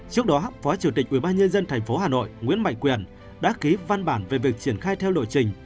trước đó phó chủ tịch ubnd tp hà nội nguyễn mạnh quyền đã ký văn bản về việc triển khai theo lộ trình